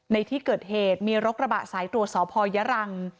ในที่เกิดเหตุมีรถกระบะสายตรวจสพยรัง